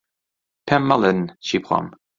پێم مەڵێن چی بخۆم.